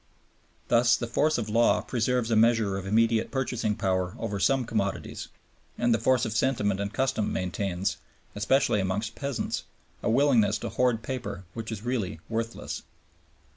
Thus the force of law preserves a measure of immediate purchasing power over some commodities and the force of sentiment and custom maintains, especially amongst peasants, a willingness to hoard paper which is really worthless.